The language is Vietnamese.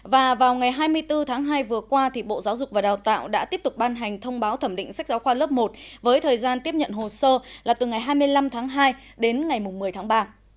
và vào ngày hai mươi bốn tháng hai vừa qua thì bộ giáo dục và đào tạo đã tiếp tục ban hành thông báo thẩm định sách giáo khoa lớp một với thời gian tiếp nhận hồ sơ là từ ngày hai mươi năm tháng hai đến ngày một mươi tháng ba